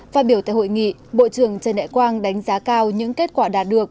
phát biểu tại hội nghị bộ trưởng trần đại quang đánh giá cao những kết quả đạt được